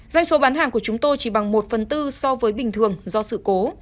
doanh số bán hàng của chúng tôi chỉ bằng một phần tư so với bình thường do sự cố